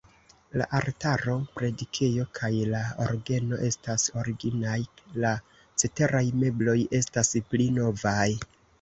La altaro, predikejo kaj la orgeno estas originaj, la ceteraj mebloj estas pli novaj.